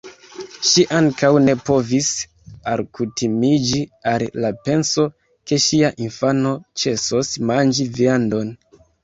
Ŝi ankaŭ ne povis alkutimiĝi al la penso, ke ŝia infano ĉesos manĝi viandon.